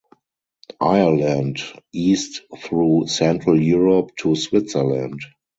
Ireland east through Central Europe to Switzerland.